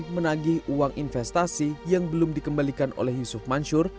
menagih uang investasi yang belum dikembalikan oleh yusuf mansur